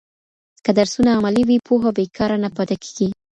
که درسونه عملي وي، پوهه بې کاره نه پاته کېږي.